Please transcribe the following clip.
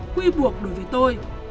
quy buộc đối với tôi